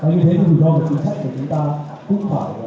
và như thế thì rủi ro và tính chất của chúng ta cũng phải là lựa chọn